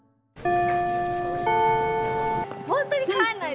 本当に帰んないで！